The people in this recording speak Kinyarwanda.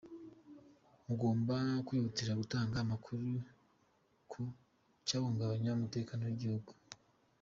Mugomba kwihutira gutanga amakuru ku cyahungabanya umutekano w’igihugu.